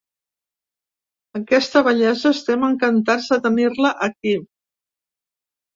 A aquesta bellesa estem encantats de tenir-la aquí.